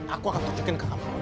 aku akan kerjakin ke kampungmu